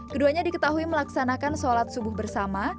keduanya diketahui melaksanakan sholat subuh bersama